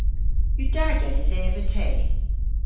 Yw da genes eva te?